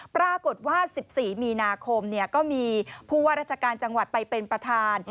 ปรากฏว่า๑๔มีนาคมก็มีผู้ว่าราชการจังหวัดไปเป็นประธาน